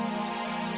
siapakah dia sebenarnya